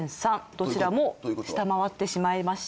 どちらも下回ってしまいました。